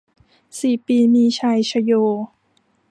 สี่ปีมีชัย ชโย